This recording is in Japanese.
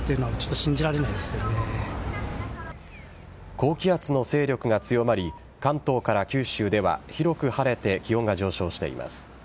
高気圧の勢力が強まり関東から九州では広く晴れて気温が上昇しています。